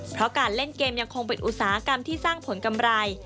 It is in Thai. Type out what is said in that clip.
เพราะการเล่นเกมยังคงเป็นอุตสาหกรรมที่สร้างผลกำไร